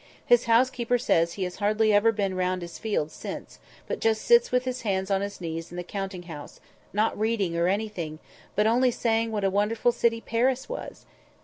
His housekeeper says he has hardly ever been round his fields since, but just sits with his hands on his knees in the counting house, not reading or anything, but only saying what a wonderful city Paris was!